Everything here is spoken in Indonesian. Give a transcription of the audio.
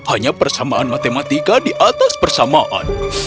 hanya persamaan matematika di atas persamaan